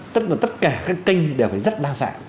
tất cả các kênh đều phải rất đa dạng